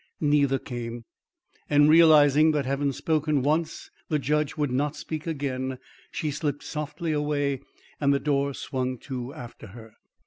Neither came; and, realising that having spoken once the judge would not speak again, she slipped softly away, and the door swung to after her.